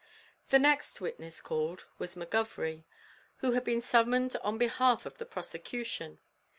The next witness called was McGovery, who had been summoned on behalf of the prosecution.